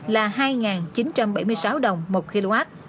là hai chín trăm bảy mươi sáu đồng một kw